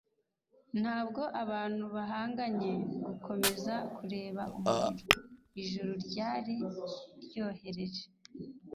Ntabwo abantu bahangaye gukomeza kureba umuriro Ijuru ryari ryohereje